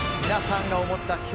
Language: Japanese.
皆さんが思った